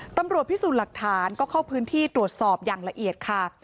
ตำรวจพิสูจน์หลักฐานก็เข้าพื้นที่ตรวจสอบอย่างละเอียดค่ะ